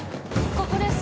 ここです